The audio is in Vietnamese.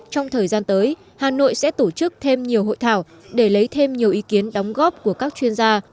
trong thời gian tới hà nội sẽ tổ chức thêm nhiều hội thảo để lấy thêm nhiều ý kiến đóng góp của các chuyên gia